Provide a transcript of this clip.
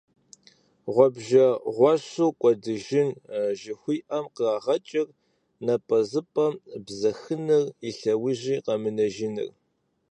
«Гъуэбжэгъуэщу кӀуэдыжын» жыхуиӏэм кърагъэкӏырт напӀэзыпӀэм бзэхыныр, и лъэужьи къэмынэжыныр.